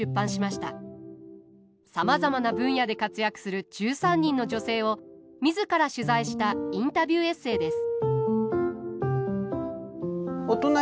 さまざまな分野で活躍する１３人の女性を自ら取材したインタビューエッセーです。